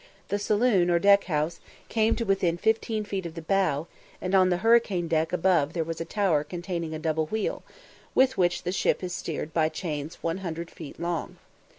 The saloon, or deck house, came to within fifteen feet of the bow, and on the hurricane deck above there was a tower containing a double wheel, with which the ship is steered by chains one hundred feet long.